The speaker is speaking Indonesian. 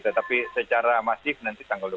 tetapi secara masif nanti tanggal dua puluh